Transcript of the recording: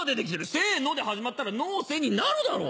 「せの」で始まったら「のせ」になるだろ！